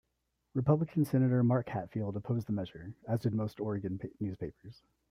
Republican Senator Mark Hatfield opposed the measure, as did most Oregon newspapers.